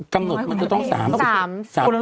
กำหนดมันจะต้อง๓๓